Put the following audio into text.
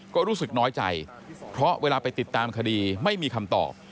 ก็รู้สึกน้อยใจเพราะเวลาไปติดตามคดีไม่มีคำตอบ